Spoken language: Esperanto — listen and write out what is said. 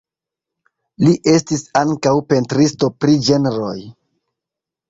Li estis ankaŭ pentristo pri ĝenroj.